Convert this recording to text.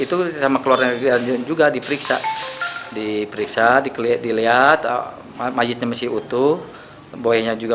itu sama keluarga juga diperiksa diperiksa dikelihatkan majidnya masih utuh bohanya juga